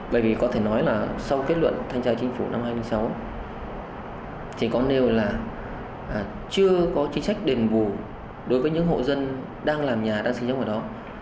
bởi vì có thể nói là sau kết luận thanh tra chính phủ năm hai nghìn sáu thì có nêu là chưa có chính sách đền bù đối với những hộ dân đang làm nhà đang sinh sống ở đó